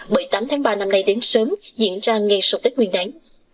bởi tám tháng ba năm nay đến sớm diễn ra ngay sổ tích